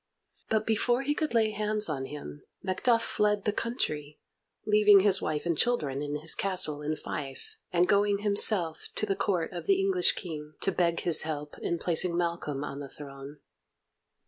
But before he could lay hands on him, Macduff fled the country, leaving his wife and children in his castle in Fife, and going himself to the Court of the English King to beg his help in placing Malcolm on the throne.